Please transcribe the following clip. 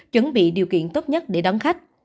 chuẩn bị điều kiện tốt nhất để đón khách